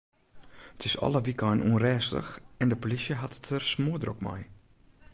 It is alle wykeinen ûnrêstich en de polysje hat it der smoardrok mei.